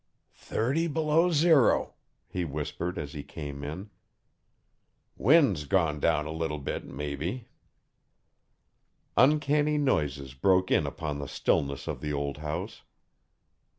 'Thirty below zero,' he whispered as he came in. 'Win's gone down a leetle bit, mebbe.' Uncanny noises broke in upon the stillness of the old house.